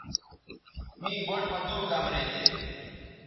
می گوٹھ مہ دُو کمرے تھے